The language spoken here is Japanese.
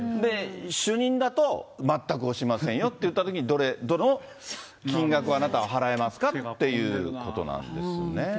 主任だと、全くしませんよといったときに、どれ、どの金額、あなたは払えますかっていうことなんですね。